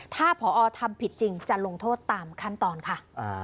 ถ้าพอทำผิดจริงจะลงโทษตามขั้นตอนค่ะ